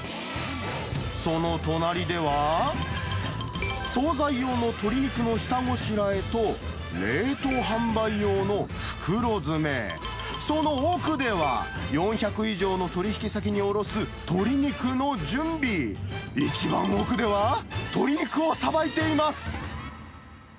その隣では、総菜用の鶏肉の下ごしらえと、冷凍販売用の袋詰め、その奥では、４００以上の取り引き先に卸す鶏肉の準備、一番奥では、鶏肉をさばいています。